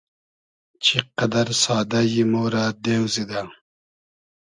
چی قئدئر سادۂ یی ، مۉرۂ دېو زیدۂ